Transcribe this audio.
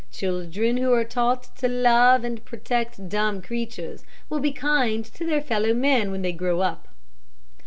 Children who are taught to love and protect dumb creatures will be kind to their fellow men when they grow up."